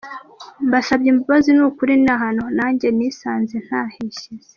Mbasabye imbabazi ni ukuri ni ahantu najye nisanze ntahishyize.